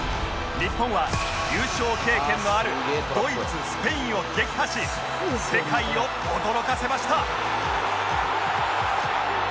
日本は優勝経験のあるドイツスペインを撃破し世界を驚かせました